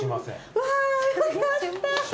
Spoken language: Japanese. うわよかった！